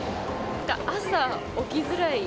朝起きづらい。